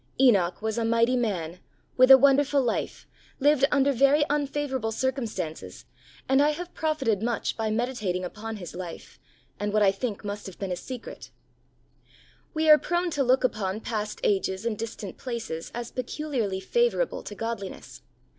Enoch was a mighty man, with a wonderful life, lived under very unfavourable circumstances, and I have profited much by meditating upon his life, and what I think must have been his secret. We are prone to look upon past ages and distant places as peculiarly favourable to godliness.